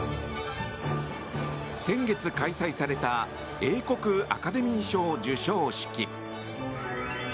先月開催された英国アカデミー賞授賞式。